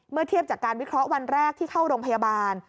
เทียบจากการวิเคราะห์วันแรกที่เข้าโรงพยาบาล